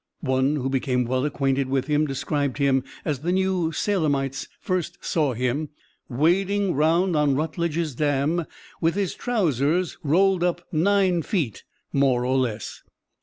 One who became well acquainted with him described him as the New Salemites first saw him, "wading round on Rutledge's dam with his trousers rolled up nine feet, more or less."